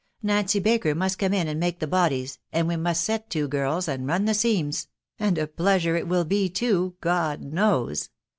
Nancy Baker must come in and make the bodies;, and we must set to, girls, and run the seams, ••. and a pleasure it will be too, God knows